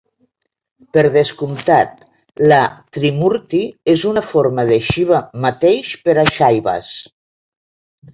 Per descomptat, la Trimurti és una forma de Shiva mateix per a Shaivas.